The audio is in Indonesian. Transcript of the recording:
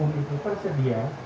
umum itu tersedia